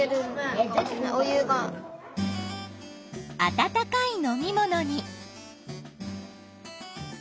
温かい飲み物に。